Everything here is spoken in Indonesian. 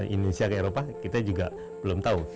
indonesia ke eropa kita juga belum tahu